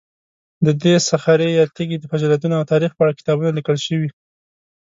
د دې صخرې یا تیږې د فضیلتونو او تاریخ په اړه کتابونه لیکل شوي.